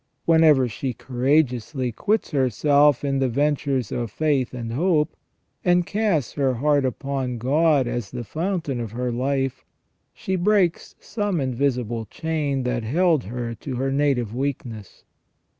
Whenever she courageously quits herself in the ventures of faith and hope, and casts her heart upon God as the fountain of her life, she breaks some invisible chain that held her to her native weakness.